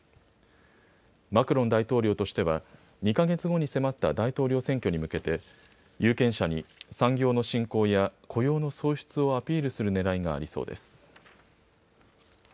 マクロン大統領としては２か月後に迫った大統領選挙に向けて有権者に産業の振興や雇用の創出をアピールするねらいがありそうです。